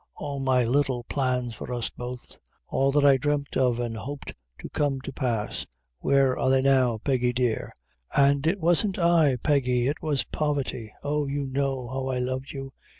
All my little plans for us both all that I dreamt of an' hoped to come to pass, where are they now, Peggy dear? And it wasn't I, Peggy, it was poverty oh you know how I loved you!